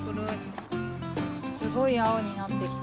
すごいあおになってきたね。